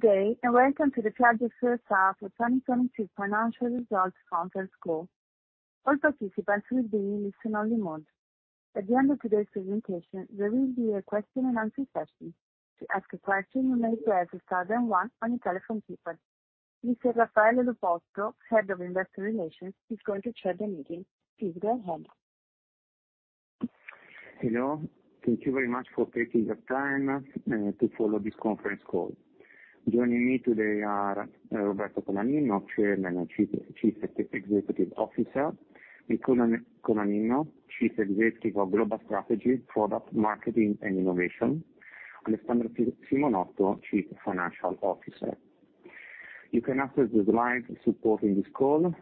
Good day, and welcome to the Piaggio Group's 2022 Financial Results Conference Call. All participants will be in listen only mode. At the end of today's presentation, there will be a question and answer session. To ask a question, you may press star then one on your telephone keypad. Mr. Raffaele Lupotto, Head of Investor Relations, is going to chair the meeting. Please go ahead. Hello. Thank you very much for taking the time to follow this conference call. Joining me today are Roberto Colaninno, Chairman and Chief Executive Officer. Michele Colaninno, Chief Executive of Global Strategy, Product, Marketing and Innovation. Alessandra Simonotto, Chief Financial Officer. You can access the slides supporting this call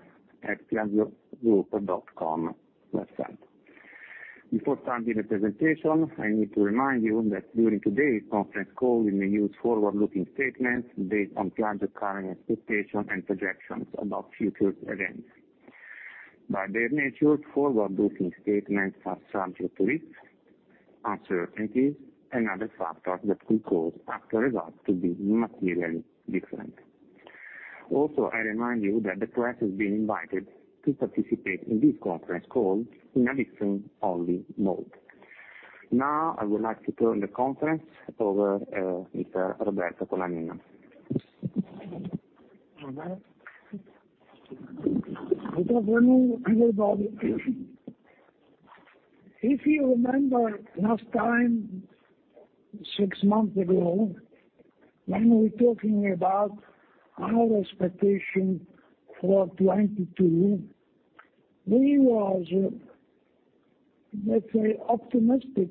at piaggiogroup.com website. Before starting the presentation, I need to remind you that during today's conference call we may use forward-looking statements based on Piaggio's current expectations and projections about future events. By their nature, forward-looking statements are subject to risks, uncertainties and other factors that could cause actual results to be materially different. Also, I remind you that the press has been invited to participate in this conference call in a listen-only mode. Now, I would like to turn the conference over, Mr. Roberto Colaninno. Good afternoon, everybody. If you remember last time, six months ago, when we're talking about our expectations for 2022, we was, let's say, optimistic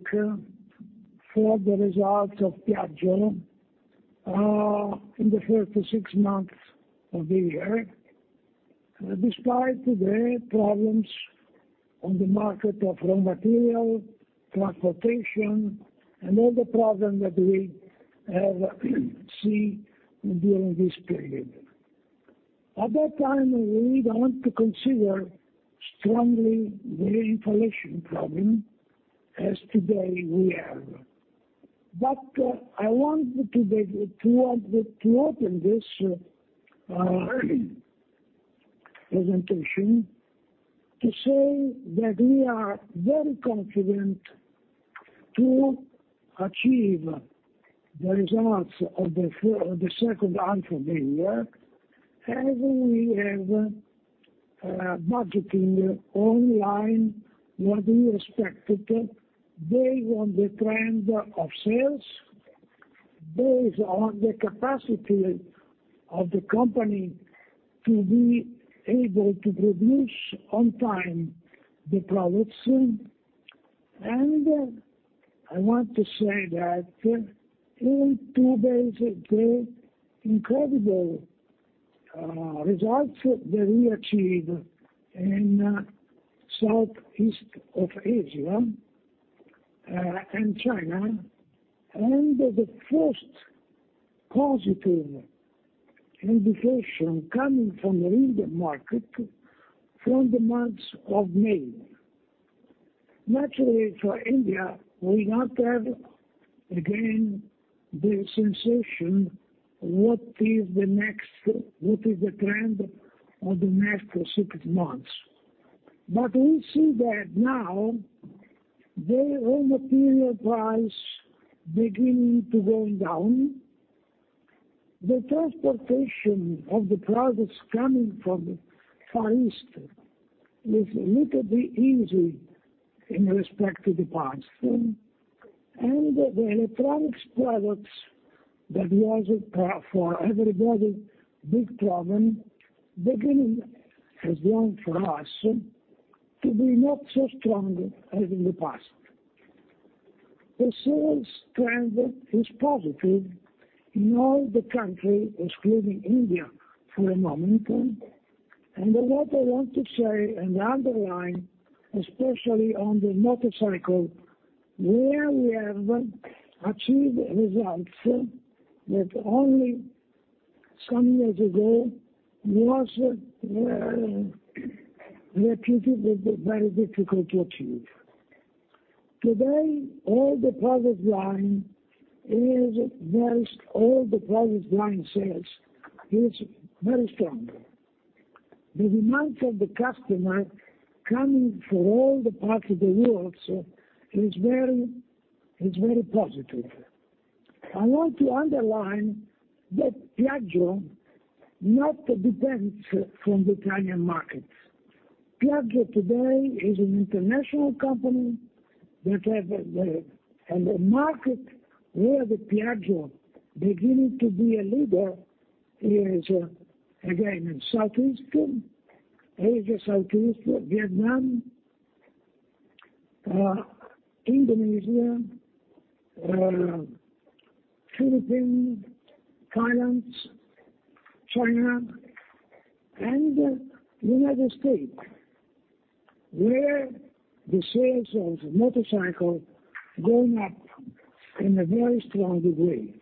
for the results of Piaggio in the first six months of the year despite the problems on the market of raw material, transportation and all the problems that we have seen during this period. At that time, we didn't want to consider strongly the inflation problem as today we have. I want today to open this presentation to say that we are very confident to achieve the results of the H2 of the year, and we have budget in line with what we expected based on the trend of sales, based on the capacity of the company to be able to produce on time the products. I want to say that in today's incredible results that we achieved in Southeast Asia and China, and the first positive indication coming from the Indian market from the month of May. Naturally, for India, we not have, again, the sensation what is the trend of the next six months. We see that now the raw material price beginning to going down. The transportation of the products coming from Far East is a little bit easy in respect to the past. The electronics products that was a big problem for everybody, beginning, as well for us, to be not so strong as in the past. The sales trend is positive in all the country, excluding India for the moment. What I want to say and underline, especially on the motorcycle, where we have achieved results that only some years ago was repeatedly very difficult to achieve. Today, all the product line sales is very strong. The demands of the customer coming from all the parts of the world is very positive. I want to underline that Piaggio not depends from the Italian market. Piaggio today is an international company that have, and the market where the Piaggio beginning to be a leader is, again, in South East Asia, Vietnam, Indonesia, Philippines, Thailand, China and United States, where the sales of motorcycle going up in a very strong degree.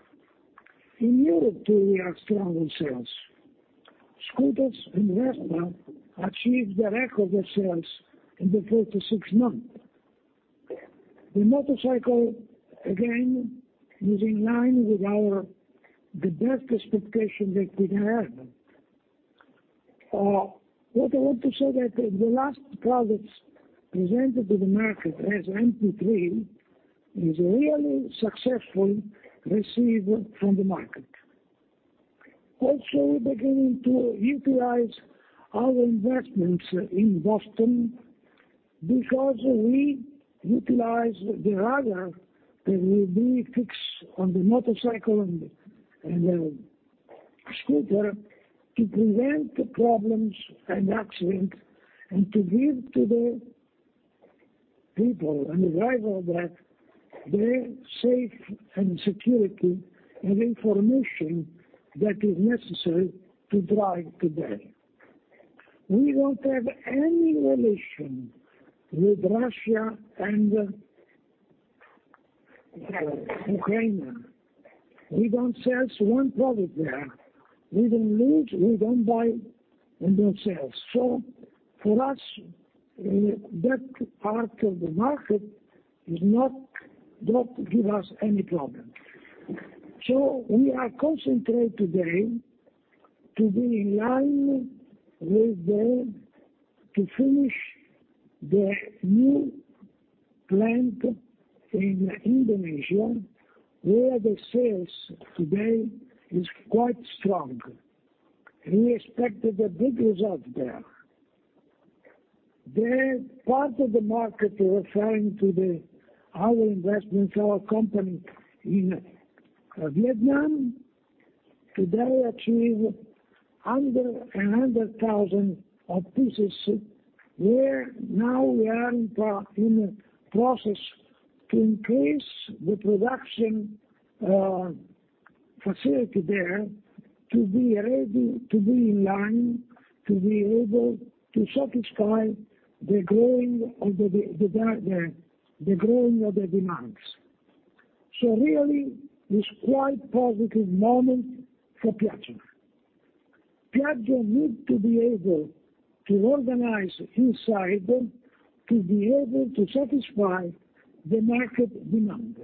In Europe, too, we are strong in sales. Scooters and Vespa achieved a record of sales in the first six months. The motorcycle, again, is in line with our best expectation that we can have. What I want to say that the last products presented to the market, the MP3, is really successfully received from the market. Also, we're beginning to utilize our investments in Boston because we utilize the radar that will be fixed on the motorcycle and scooter to prevent problems and accidents, and to give the people and the rider that they're safe and security and information that is necessary to drive today. We don't have any relation with Russia and Ukraine. We don't sell one product there. We don't lose, we don't buy, and don't sell. For us, that part of the market doesn't give us any problem. We are concentrated today to be in line with the to finish the new plant in Indonesia, where the sales today is quite strong. We expected a big result there. The part of the market referring to our investments, our company in Vietnam, today achieve under 100,000 pieces where now we are in the process to increase the production facility there to be ready to be in line, to be able to satisfy the growing of the demands. Really it's quite positive moment for Piaggio. Piaggio need to be able to organize inside to be able to satisfy the market demand.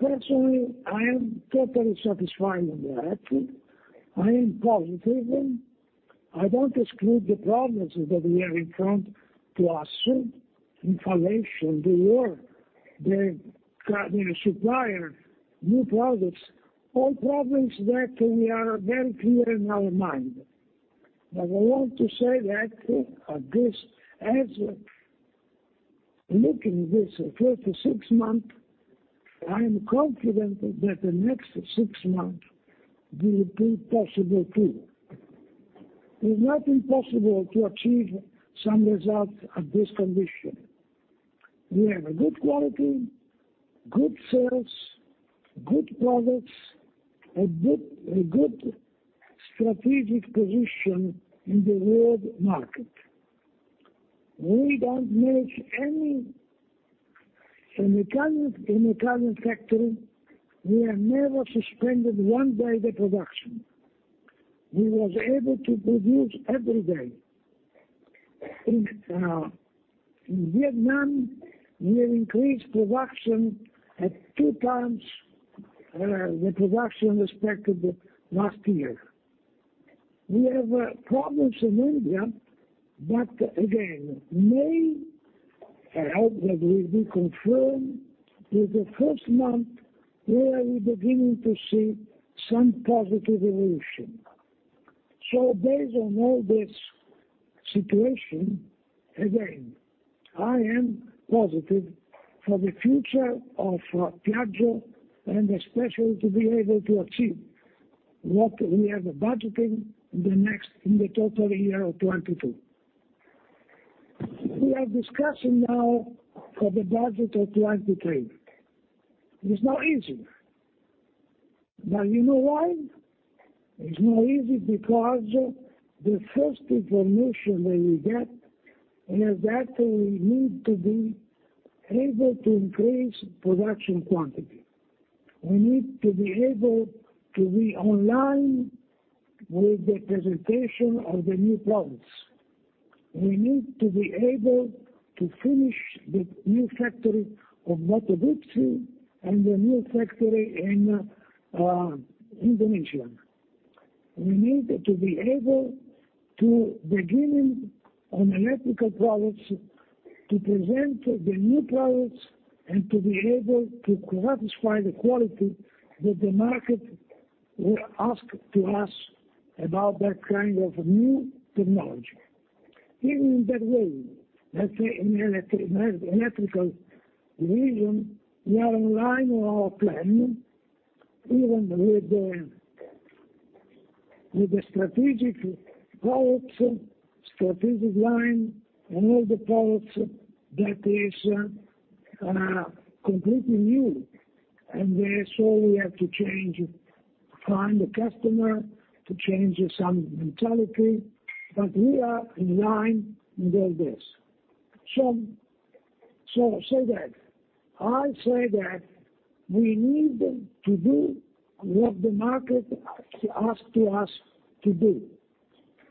Personally, I am totally satisfied on that. I am positive. I don't exclude the problems that we have in front to assume: inflation, the war, the supplier, new products, all problems that we are very clear in our mind. But I want to say that at this, as looking this refer to six months, I am confident that the next six month will be possible too. It's not impossible to achieve some result at this condition. We have a good quality, good sales, good products, a good strategic position in the world market. We don't make any. In Italian factory, we have never suspended one day the production. We was able to produce every day. In Vietnam, we have increased production at 2x the production respective last year. We have problems in India, but again, May, I hope that will be confirmed, is the first month where we're beginning to see some positive evolution. Based on all this situation, again, I am positive for the future of Piaggio and especially to be able to achieve what we are budgeting in the next, in the total year of 2022. We are discussing now for the budget of 2023. It's not easy. You know why? It's not easy because the first information that we get is that we need to be able to increase production quantity. We need to be able to be online with the presentation of the new products. We need to be able to finish the new factory of Moto Guzzi and the new factory in Indonesia. We need to be able to begin on electric products to present the new products and to be able to satisfy the quality that the market asks of us about that kind of new technology. Even in that way, let's say in electric region, we are in line with our plan, even with the strategic products, strategic line and all the products that is completely new. We have to change, find the customer, to change some mentality, but we are in line with all this. I say that we need to do what the market asks of us to do.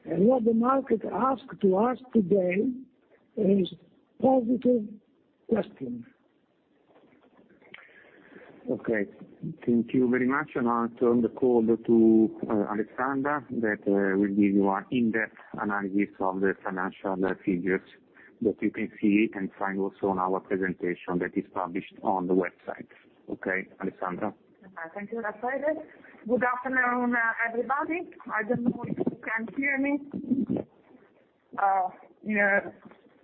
What the market asks of us today is positive question. Okay. Thank you very much. I'll turn the call to Alessandra, that will give you an in-depth analysis of the financial figures that you can see and find also on our presentation that is published on the website. Okay, Alessandra? Thank you, Raffaele. Good afternoon, everybody. I don't know if you can hear me. Yeah,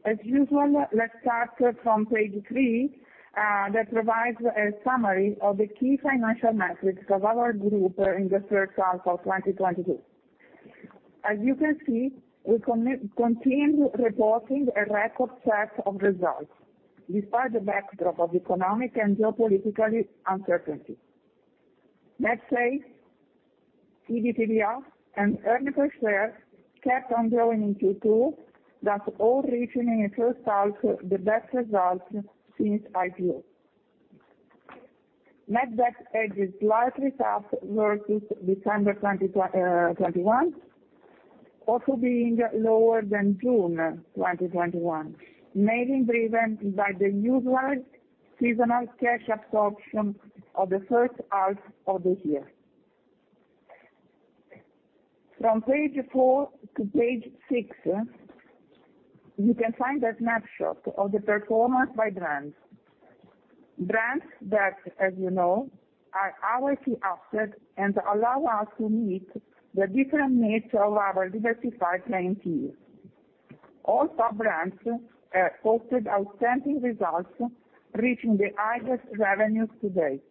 as usual, let's start from page 3, that provides a summary of the key financial metrics of our group in the H1 of 2022. As you can see, we continue reporting a record set of results, despite the backdrop of economic and geopolitical uncertainty. Net sales, EBITDA, and earnings per share kept on growing in Q2, thus all reaching in H1 the best results since IPO. Net debt edged slightly south versus December 2021, also being lower than June 2021, mainly driven by the usual seasonal cash absorption of the H1 of the year. From page four to page six, you can find a snapshot of the performance by brands. Brands that, as you know, are our key asset and allow us to meet the different needs of our diversified clientele. All sub-brands posted outstanding results, reaching the highest revenues to date.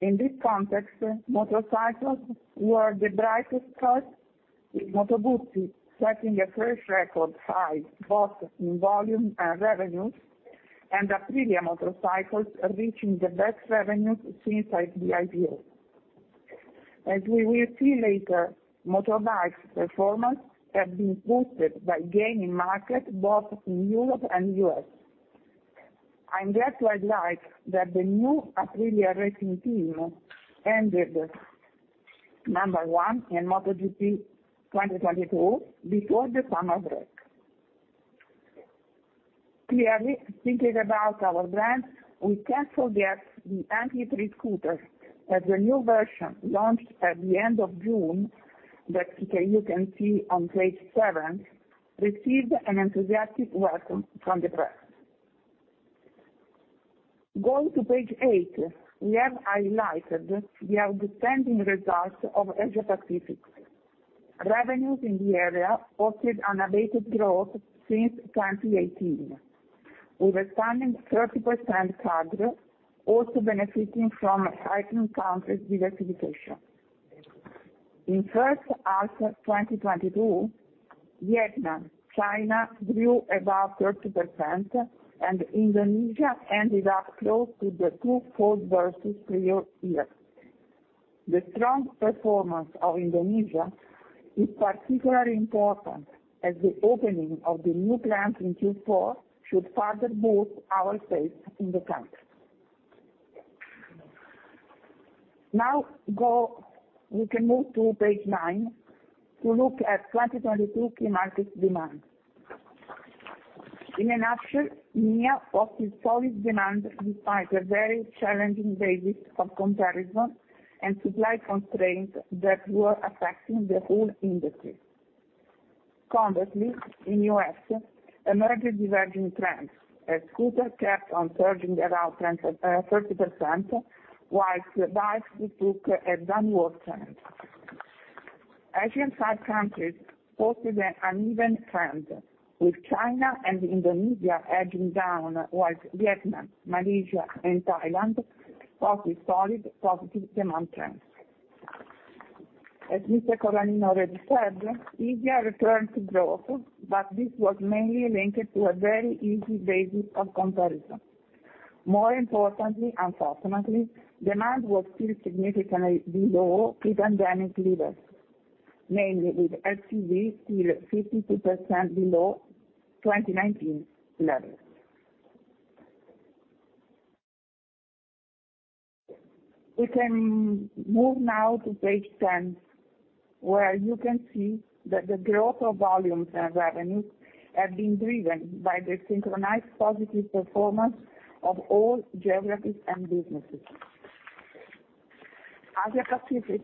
In this context, motorcycles were the brightest spot, with Moto Guzzi setting a fresh record high, both in volume and revenues, and Aprilia motorcycles reaching the best revenues since the IPO. As we will see later, motorbike's performance have been boosted by gain in market, both in Europe and US. Let's highlight that the new Aprilia racing team ended number one in MotoGP 2022 before the summer break. Clearly, thinking about our brands, we can't forget the MP3 scooters as the new version launched at the end of June, you can see on page seven, received an enthusiastic welcome from the press. Going to page eight, we have highlighted the outstanding results of Asia Pacific. Revenues in the area posted unabated growth since 2018, with a stunning 30% CAGR, also benefiting from heightened country diversification. In H1 of 2022, Vietnam, China grew above 30%, and Indonesia ended up close to the twofold versus prior year. The strong performance of Indonesia is particularly important as the opening of the new plant in Q4 should further boost our space in the country. We can move to page nine to look at 2022 key market demand. In a nutshell, EMEA posted solid demand despite a very challenging basis of comparison and supply constraints that were affecting the whole industry. Conversely, in US, emerged diverging trends as scooters kept on surging around 30%, while bikes took a downward trend. Asia's five countries posted an uneven trend, with China and Indonesia edging down, while Vietnam, Malaysia, and Thailand posted solid positive demand trends. As Mr. Colaninno already said, EMEA returned to growth, but this was mainly linked to a very easy basis of comparison. More importantly, unfortunately, demand was still significantly below pre-pandemic levels, mainly with LCV still 52% below 2019 levels. We can move now to page 10, where you can see that the growth of volumes and revenues have been driven by the synchronized positive performance of all geographies and businesses. Asia Pacific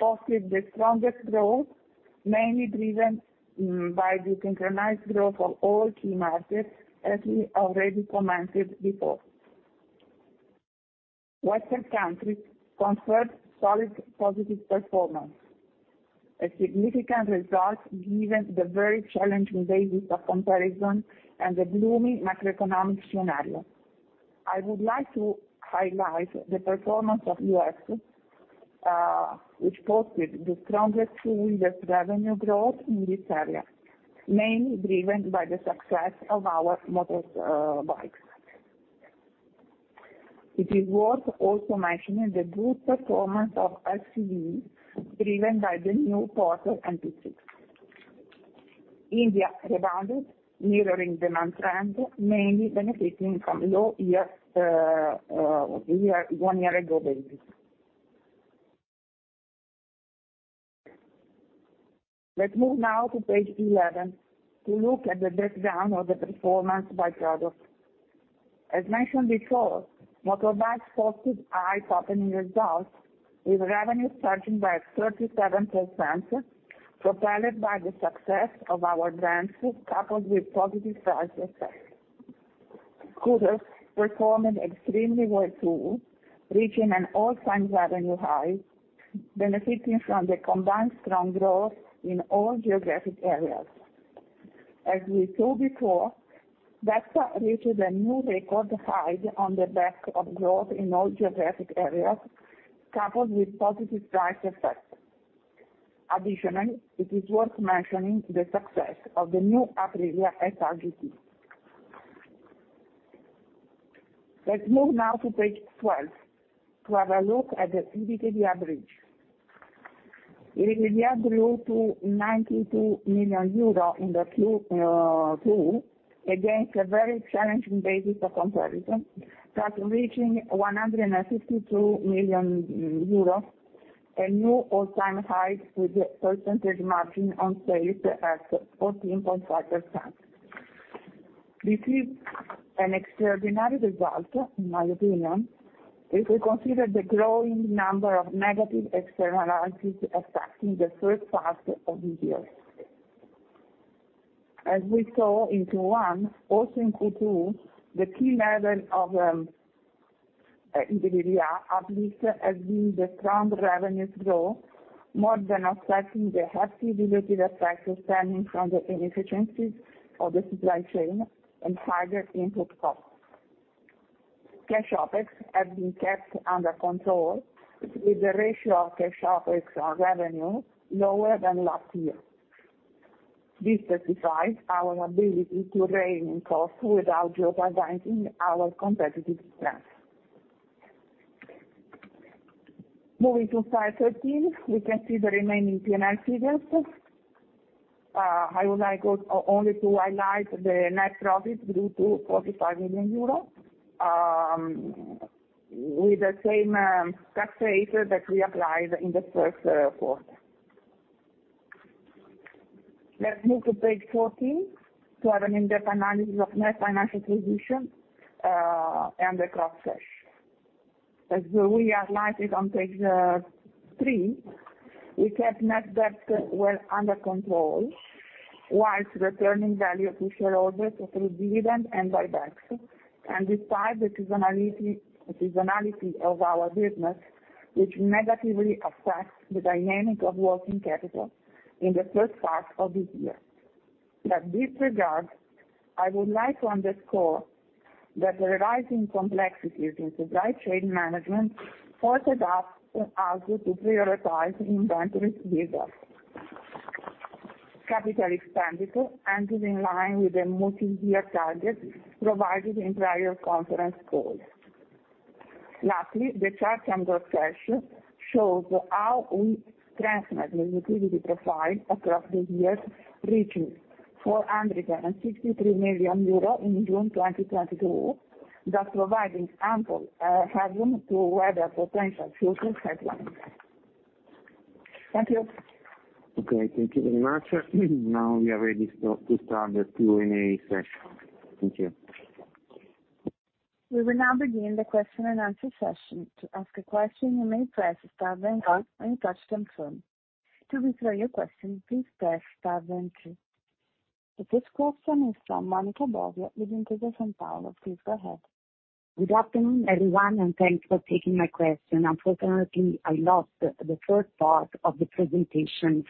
posted the strongest growth, mainly driven by the synchronized growth of all key markets, as we already commented before. Western countries confirmed solid positive performance, a significant result given the very challenging basis of comparison and the gloomy macroeconomic scenario. I would like to highlight the performance of US., which posted the strongest two-wheeler revenue growth in this area, mainly driven by the success of our motor bikes. It is worth also mentioning the good performance of LCV, driven by the new Porter NP6. India rebounded, mirroring the month trend, mainly benefiting from low one year ago basis. Let's move now to page 11 to look at the breakdown of the performance by product. As mentioned before, motorbikes posted high top-line results, with revenues surging by 37%, propelled by the success of our brands, coupled with positive price effect. Scooters performed extremely well, too, reaching an all-time revenue high, benefiting from the combined strong growth in all geographic areas. As we saw before, Vespas reaches a new record high on the back of growth in all geographic areas, coupled with positive price effect. Additionally, it is worth mentioning the success of the new Aprilia SR GT. Let's move now to page 12 to have a look at the EBITDA average. EBITDA grew to EUR 92 million in the Q2, against a very challenging basis of comparison, thus reaching 152 million euros, a new all-time high, with the percentage margin on sales at 14.5%. This is an extraordinary result, in my opinion, if we consider the growing number of negative externalities affecting the H1 of the year. As we saw in Q1, also in Q2, the key lever of EBITDA uplift has been the strong revenues growth, more than offsetting the heavy negative effects stemming from the inefficiencies of the supply chain and higher input costs. Cash OpEx has been kept under control, with the ratio of cash OpEx on revenue lower than last year. This testifies our ability to rein in costs without jeopardizing our competitive strength. Moving to slide 13, we can see the remaining P&L figures. I would like only to highlight the net profit grew to 45 million euros, with the same tax rate that we applied in the Q1. Let's move to page 14 to have an in-depth analysis of net financial position and the gross cash. As we highlighted on page three, we kept net debt well under control, while returning value to shareholders through dividend and buybacks, and despite the seasonality of our business, which negatively affects the dynamic of working capital in the H1 of this year. In this regard, I would like to underscore that the rising complexities in supply chain management forced us to prioritize inventory build-up. Capital expenditure is in line with the multi-year target provided in prior conference calls. Lastly, the chart under cash shows how we strengthened the liquidity profile across the years, reaching 463 million euros in June 2022, thus providing ample headroom to weather potential future headwinds. Thank you. Okay, thank you very much. Now we are ready to start the Q&A session. Thank you. We will now begin the question and answer session. To ask a question, you may press star then one and touch confirm. To withdraw your question, please press star then two. The first question is from Monica Bosio with Intesa Sanpaolo. Please go ahead. Good afternoon, everyone, and thanks for taking my question. Unfortunately, I lost the first part of the presentation.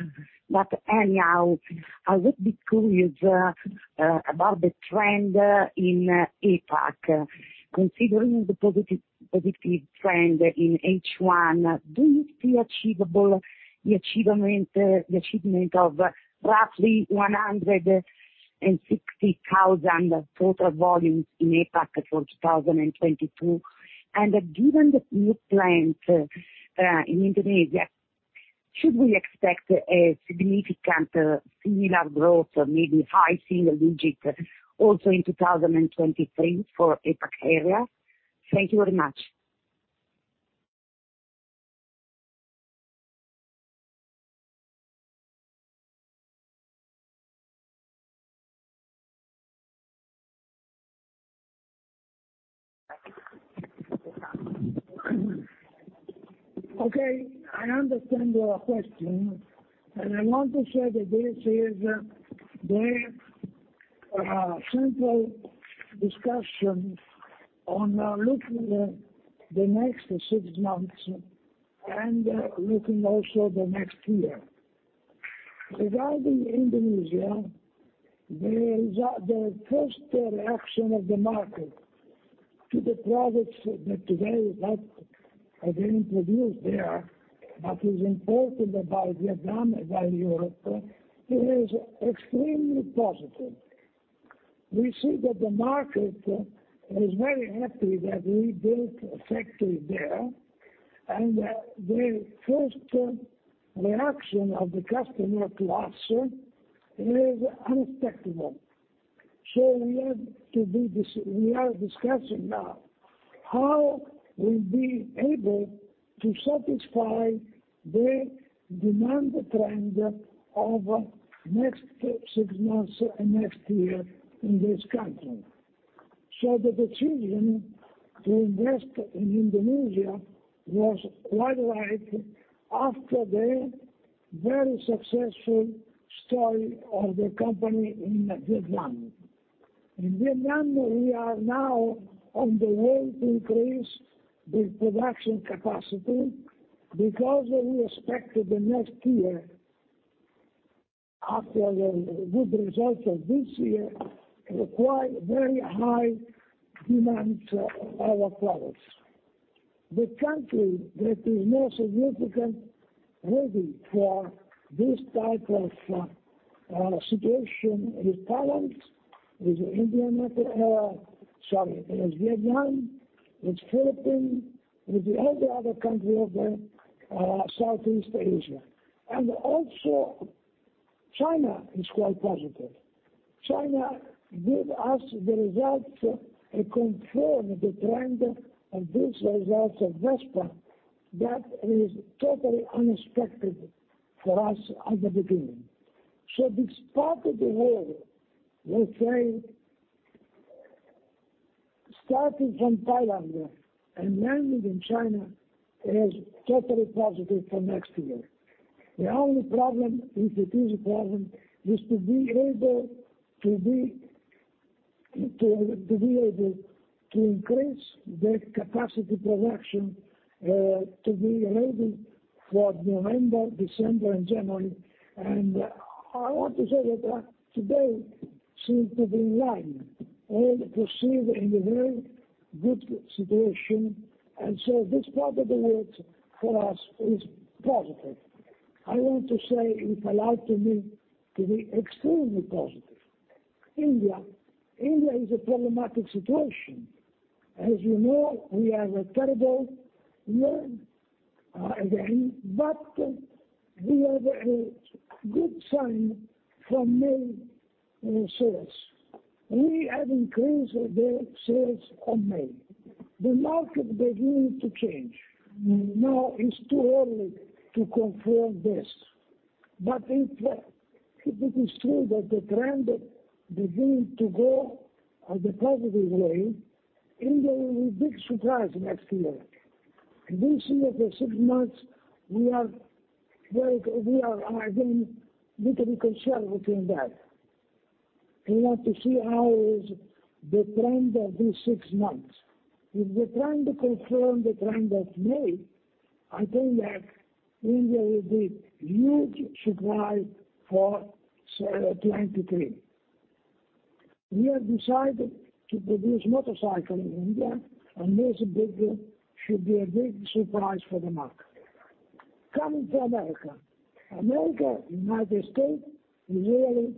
Anyhow, I would be curious about the trend in APAC. Considering the positive trend in H1, do you feel the achievement of roughly 160,000 total volumes in APAC for 2022 achievable? And given the new plant in Indonesia, should we expect a significant similar growth or maybe high single digit also in 2023 for APAC area? Thank you very much. Okay, I understand your question, and I want to say that this is the central discussion on looking at the next six months and looking also the next year. Regarding Indonesia, the first reaction of the market to the products that today we have, again, introduced there that is imported from Vietnam and from Europe is extremely positive. We see that the market is very happy that we built a factory there, and the first reaction of the customer to us is unpredictable. We are discussing now how we'll be able to satisfy the demand trend of next six months and next year in this country. The decision to invest in Indonesia was quite right after the very successful story of the company in Vietnam. In Vietnam, we are now on the way to increase the production capacity because we expect that the next year, after the good results of this year, require very high demands of our products. The country that is most significant really for this type of situation is Thailand, is India, sorry, is Vietnam, is Philippines, is every other country of the Southeast Asia. Also China is quite positive. China give us the results that confirm the trend of these results of Vespa that is totally unexpected for us at the beginning. This part of the world, let's say, starting from Thailand and landing in China, is totally positive for next year. The only problem, if it is a problem, is to be able to increase the capacity production to be ready for November, December and January. I want to say that today seem to be in line and proceed in a very good situation. This part of the world for us is positive. I want to say, if allowed to me, to be extremely positive. India. India is a problematic situation. As you know, we have a terrible year again, but we have a good sign from May sales. We have increased the sales on May. The market begin to change. Now it's too early to confirm this, but if it is true that the trend begin to go a positive way, India will be big surprise next year. This year for six months, we are very we are, again, little concerned within that. We want to see how is the trend of this six months. If the trend confirm the trend of May, I think that India will be huge surprise for 2023. We have decided to produce motorcycle in India, and this build should be a big surprise for the market. Coming to America. America, United States, is really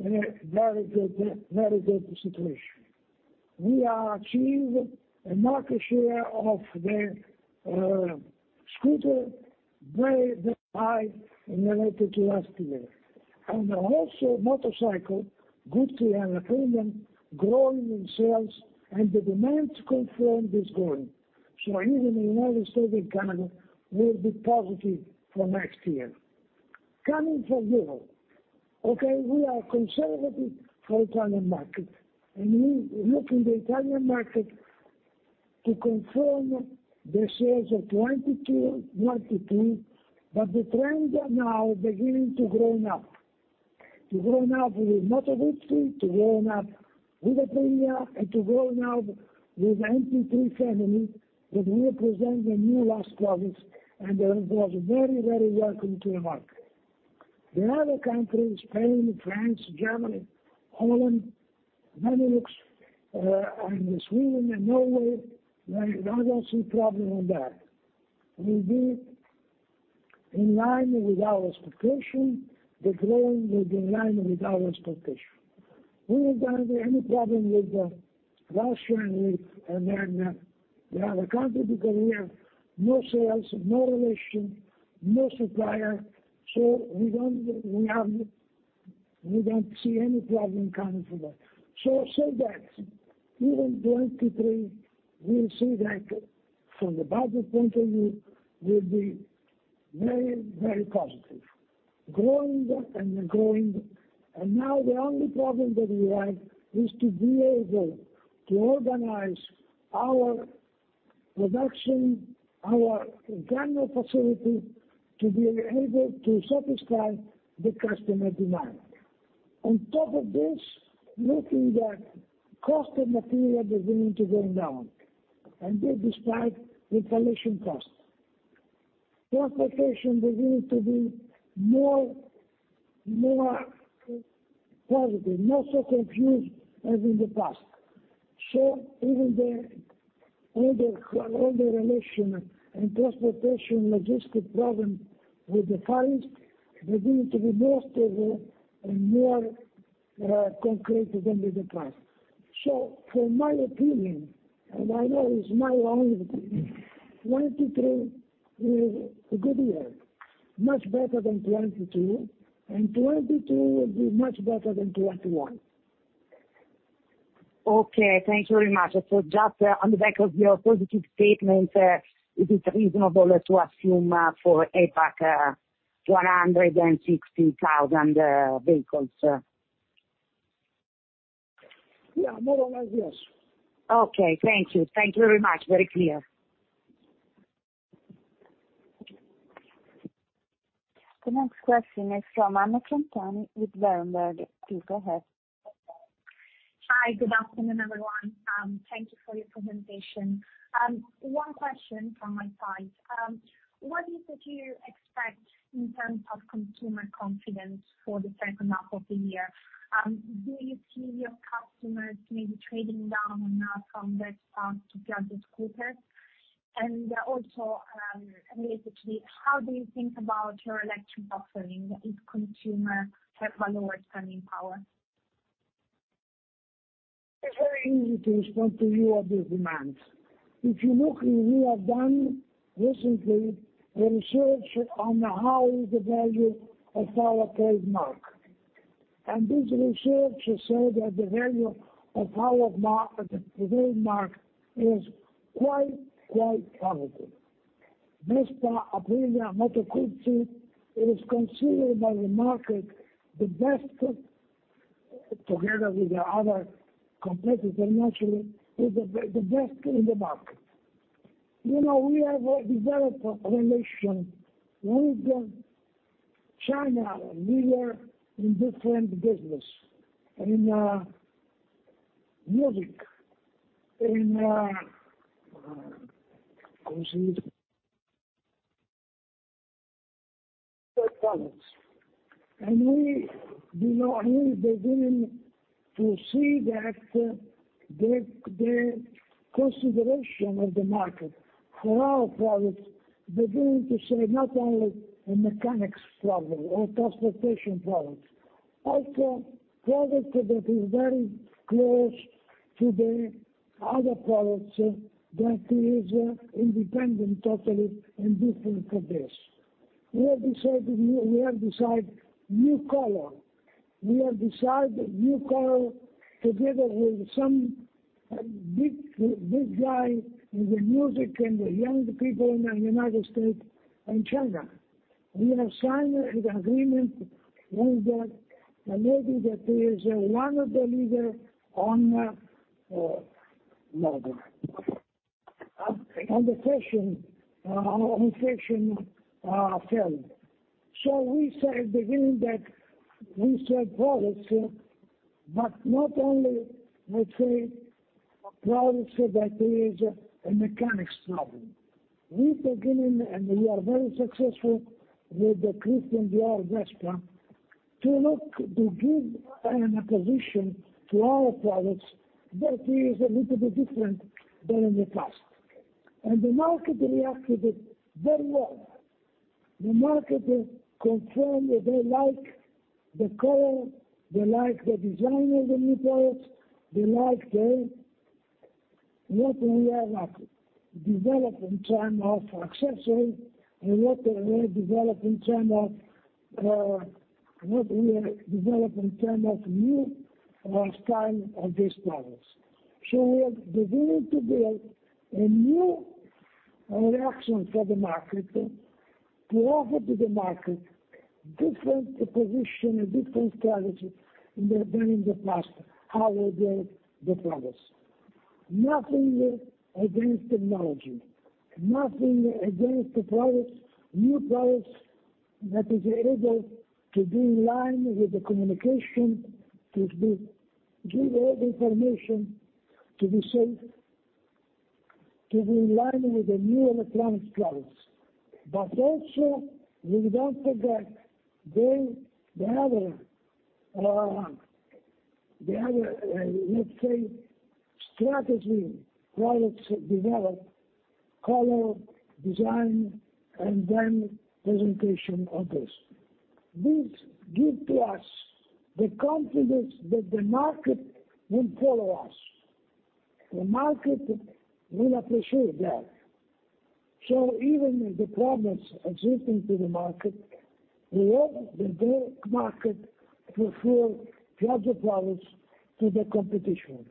in a very good situation. We are achieve a market share of the scooter very high in related to last year. Also motorcycle, good to have a trend growing in sales, and the demand confirm is growing. Even in United States and Canada will be positive for next year. Coming from Europe. Okay, we are conservative for Italian market, and we look in the Italian market to confirm the sales of 2022, but the trends are now beginning to grown up. To grow up with Moto Guzzi, to grow up with Aprilia, and to grow up with MP3 family that represent the newest products, and it was very, very welcome to the market. The other countries, Spain, France, Germany, Holland, Benelux, and Sweden and Norway, I don't see problem on that. We'll be in line with our expectation. The trend will be in line with our expectation. We don't have any problem with Russia and the other country because we have no sales, no relation, no supplier, so we don't see any problem coming from that. I say that even 2023 we'll see that from the budget point of view will be very, very positive. Growing and growing. Now the only problem that we have is to be able to organize our production, our general facility, to be able to satisfy the customer demand. On top of this, looking at the cost of material beginning to go down, and this despite inflation costs. Transportation beginning to be more positive, not so confused as in the past. Even all the raw material and transportation logistics problems with the price, they're going to be more contained than with the price. In my opinion, and I know it's my own opinion, 2023 is a good year, much better than 2022, and 2022 will be much better than 2021. Okay, thank you very much. Just on the back of your positive statement, it is reasonable to assume, for APAC, 160,000 vehicles? Yeah. More or less, yes. Okay, thank you. Thank you very much. Very clear. The next question is from Anna Frontani with Berenberg. Please go ahead. Hi, good afternoon, everyone. Thank you for your presentation. One question from my side. What is it you expect in terms of consumer confidence for the H2 of the year? Do you see your customers maybe trading down from bikes to Piaggio scooters? Also related to it, how do you think about your electric offering if consumer have lower spending power? It's very easy to respond to you on the demands. If you look, we have done recently research on how the value of our trademark. This research has said that the value of our mark, trademark is quite positive. Vespa, Aprilia, Moto Guzzi is considered by the market the best, together with the other competitor, naturally, the best in the market. You know, we have developed a relation with China. We were in different business, in music, in products. You know, we are beginning to see that the consideration of the market for our products, they're going to say not only a mechanics problem or transportation product. Also product that is very close to the other products that is independent totally and different from this. We have decided new color together with some big guy in the music and the young people in the United States and China. We have signed an agreement with a lady that is one of the leader on model on the fashion field. We say begin that we sell products, but not only, let's say, products that is a mechanics problem. We're beginning, and we are very successful with the Christian Dior Vespa, to give an acquisition to our products that is a little bit different than in the past. The market reacted very well. The market confirmed that they like the color, they like the design of the new products. They like what we have developed in terms of accessories and what we have developed in terms of new style of these products. We are beginning to build a new relation for the market, to offer to the market different position, a different strategy than in the past, how we build the products. Nothing against technology, nothing against the products, new products that is able to be in line with the communication, give all the information, to be safe, to be in line with the new electronic products. We also don't forget the other, let's say, strategy products develop, color, design, and then presentation of this. This give to us the confidence that the market will follow us. The market will appreciate that. Even with the problems existing in the market, we hope the market prefers Piaggio products to the competition.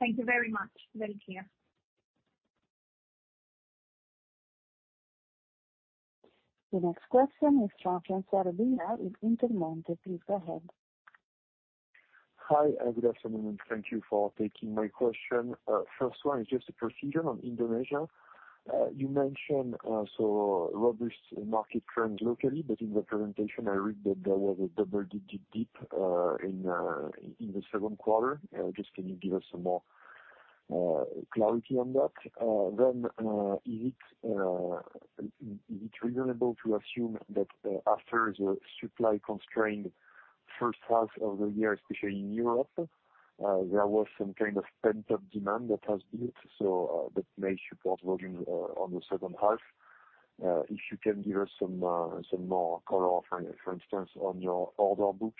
Thank you very much. Very clear. The next question is from François Robillard with Intermonte. Please go ahead. Hi, and good afternoon. Thank you for taking my question. First one is just a procedure on Indonesia. You mentioned so robust market trends locally, but in the presentation, I read that there was a double-digit dip in the Q2. Just can you give us some more color, clarity on that. Is it reasonable to assume that, after the supply constraint H1 of the year, especially in Europe, there was some kind of pent-up demand that has built, so, that may support volumes on the H2. If you can give us some more color, for instance, on your order book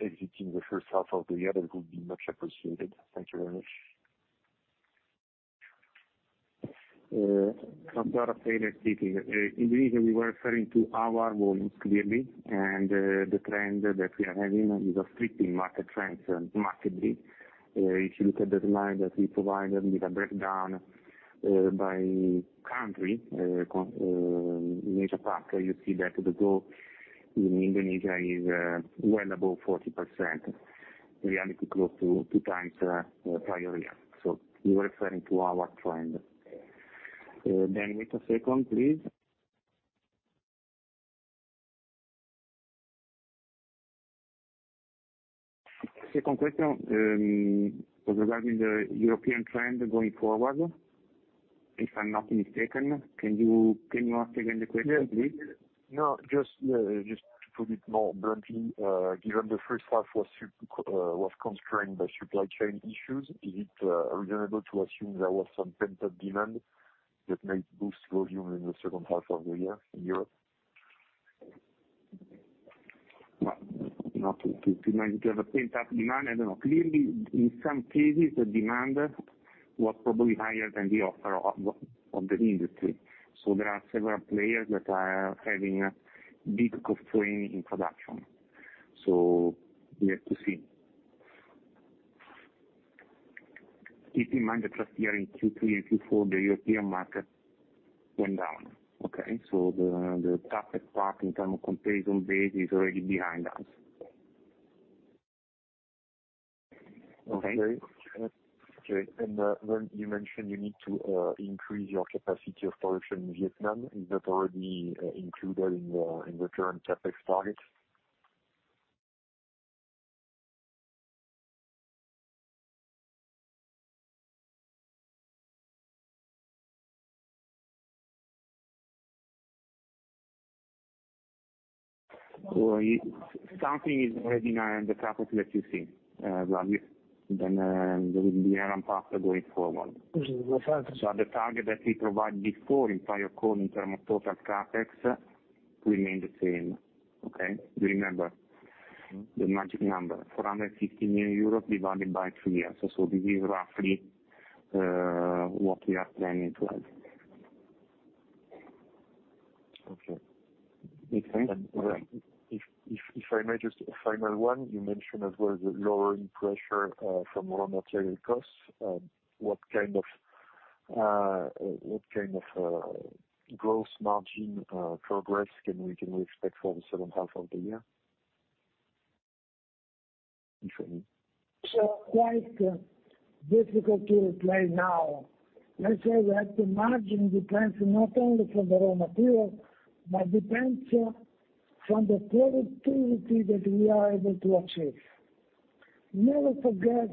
exiting the H2 of the year, that would be much appreciated. Thank you very much. Raffaele Lupotto speaking. In Indonesia, we were referring to our volumes clearly and the trend that we are having is reflecting market trends markedly. If you look at the slide that we provided with a breakdown by country in Asia Pacific, you see that the growth in Indonesia is well above 40%. We had to close 2x prior year. We're referring to our trend. Wait a second, please. Second question was regarding the European trend going forward. If I'm not mistaken, can you ask again the question please? No, just to put it more bluntly, given the H1 was constrained by supply chain issues, is it reasonable to assume there was some pent-up demand that may boost volume in the H2 of the year in Europe? Well, you know, to manage to have a pent-up demand, I don't know. Clearly, in some cases, the demand was probably higher than the offer of the industry. There are several players that are having a big constraint in production. We have to see. Keep in mind that last year in Q3 and Q4, the European market went down. Okay? The toughest part in terms of comparison basis is already behind us. Okay? Okay, when you mentioned you need to increase your capacity of production in Vietnam, is that already included in the current CapEx targets? Something is already in the CapEx that you see, François. There will be another part going forward. [inaudible] The target that we provide before in prior call in term of total CapEx remain the same. Okay? Remember the magic number, 450 million euros divided by three years. This is roughly what we are planning to have. Okay. If I may just a final one, you mentioned as well the lowering pressure from raw material costs. What kind of gross margin progress can we expect for the H2 of the year? If any. Quite difficult to explain now. Let's say we have the margin depends not only from the raw material, but depends from the productivity that we are able to achieve. Never forget.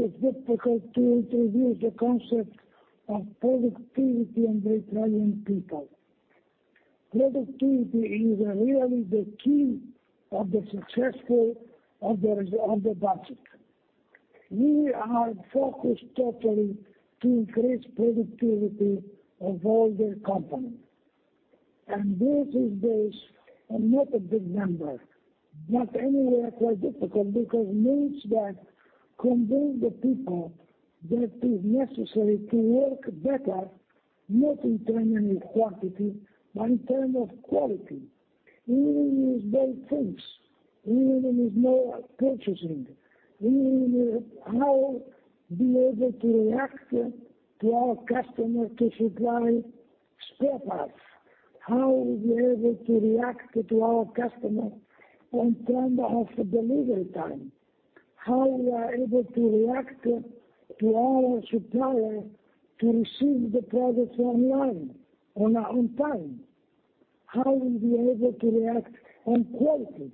It's difficult to introduce the concept of productivity and the retraining people. Productivity is really the key of the success of the budget. We are focused totally to increase productivity of all the company. This is based on not a big number, but anyway quite difficult because means that convince the people that is necessary to work better, not in term of quantity, but in term of quality. Even if it's small things. Even if it's more purchasing. Even if how be able to react to our customer to supply spare parts. How we'll be able to react to our customer in term of delivery time. How we are able to react to our supplier to receive the products on time. How we'll be able to react on quality.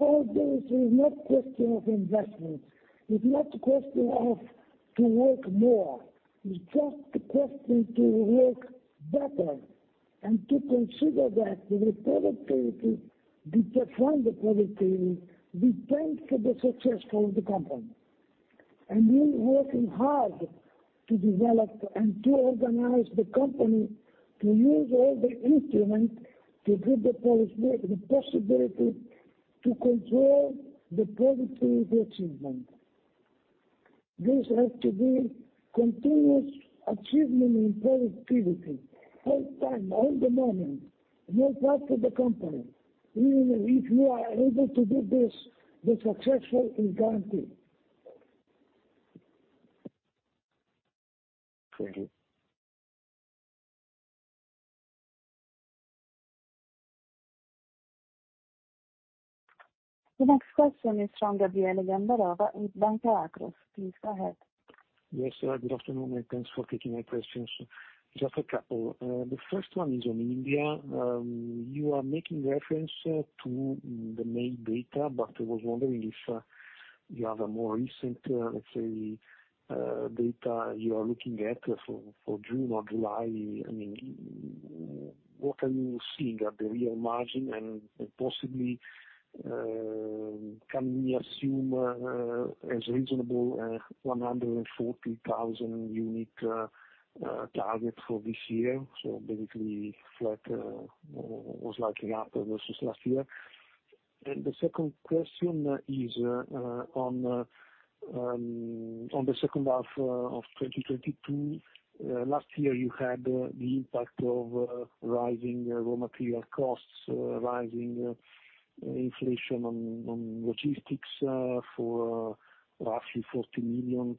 All this is not question of investment. It's not question of to work more. It's just a question to work better and to consider that the productivity, the strength of productivity, we thank for the success of the company. We working hard to develop and to organize the company to use all the instrument to give the policy the possibility to control the productivity achievement. This has to be continuous achievement in productivity all the time, all the morning, in all part of the company. Even if you are able to do this, the success is guaranteed. Thank you. The next question is from Gabriele Gambarova in Banca Akros. Please go ahead. Yes, good afternoon, and thanks for taking my questions. Just a couple. The first one is on India. You are making reference to the May data, but I was wondering if you have a more recent, let's say, data you are looking at for June or July. I mean, what are you seeing at the real margin? And possibly, can we assume as reasonable 140,000 unit target for this year, so basically flat, most likely up versus last year. The second question is on the H2 of 2022. Last year, you had the impact of rising raw material costs, rising inflation on logistics for roughly 40 million,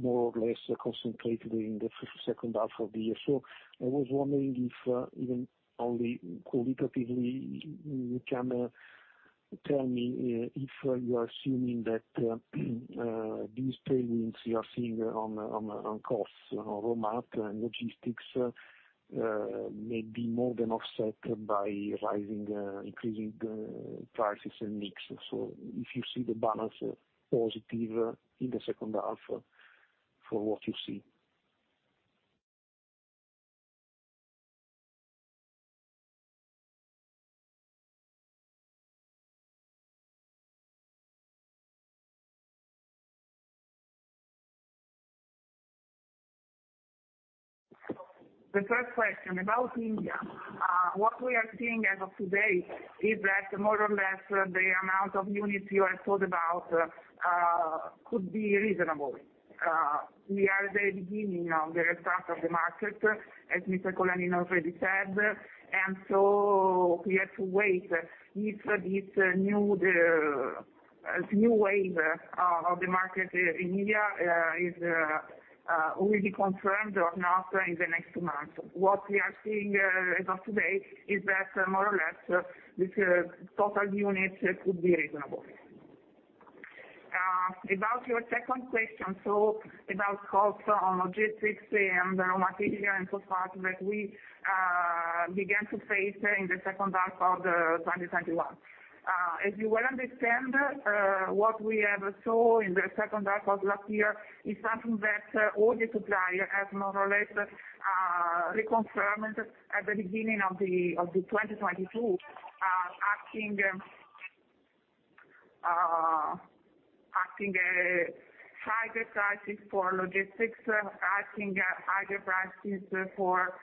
more or less concentrated in the H2 of the year. I was wondering if, even only qualitatively you can tell me, if you are assuming that, these trends you are seeing on the costs, on raw mat and logistics, may be more than offset by rising, increasing, prices and mix. If you see the balance positive in the H2 for what you see. The first question about India. What we are seeing as of today is that more or less the amount of units you have thought about could be reasonable. We are at the beginning of the restart of the market, as Mr. Colaninno already said, and so we have to wait if this new wave of the market in India will be confirmed or not in the next months. What we are seeing as of today is that more or less this total units could be reasonable. About your second question about costs on logistics and raw material and the fact that we began to face in the H2 of 2021. As you well understand, what we have saw in the H2 of last year is something that all the supplier has more or less reconfirmed at the beginning of the 2022, asking higher prices for logistics, asking higher prices for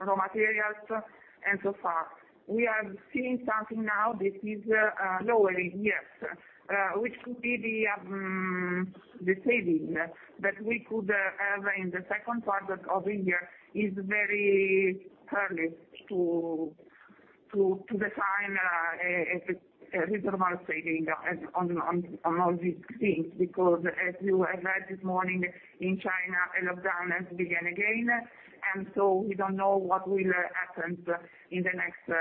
raw materials and so far. We are seeing something now that is lowering, yes, which could be the saving that we could have in the second part of the year is very early to define a reasonable saving as on all these things, because as you have read this morning, in China, a lockdown has began again, and so we don't know what will happen in the next-